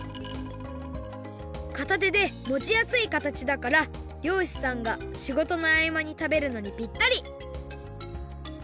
かたてでもちやすいかたちだから漁師さんがしごとのあいまに食べるのにぴったり！